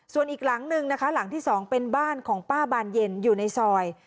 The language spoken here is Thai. ส่วนอีกหลังนึงนะคะหลังที่สองเป็นบ้านของป้าบานเย็นอยู่ในซอย